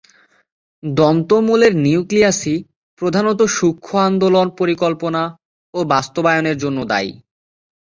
দন্তমূলের নিউক্লিয়াসই প্রধানত সূক্ষ্ম আন্দোলন পরিকল্পনা ও বাস্তবায়নের জন্য দায়ী।